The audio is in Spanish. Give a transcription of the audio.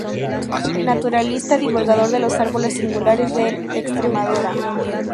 Naturalista divulgador de los árboles singulares de Extremadura.